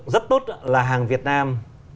rất tốt là hàng việt nam